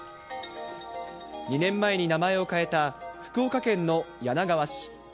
２年前に名前を変えた、福岡県の柳川市。